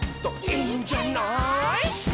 「いいんじゃない」